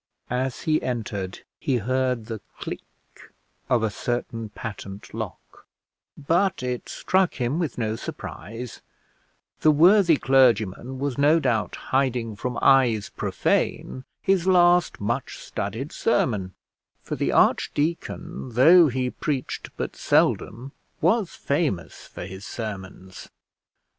As he entered he heard the click of a certain patent lock, but it struck him with no surprise; the worthy clergyman was no doubt hiding from eyes profane his last much studied sermon; for the archdeacon, though he preached but seldom, was famous for his sermons.